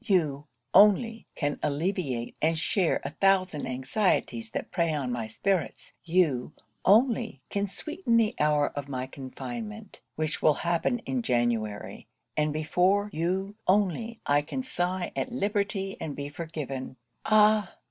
You only can alleviate and share a thousand anxieties that prey on my spirits; you only can sweeten the hour of my confinement, which will happen in January; and before you only I can sigh at liberty and be forgiven. 'Ah!